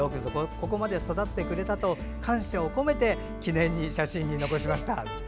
ここまで育ってくれたと感謝を込めて写真に残しました。